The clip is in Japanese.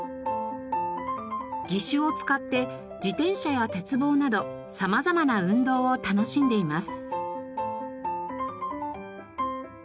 義手を使って自転車や鉄棒など様々な運動を楽しんでいます。